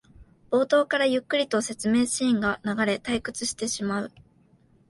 冒頭からゆっくりと説明シーンが流れ退屈してしまう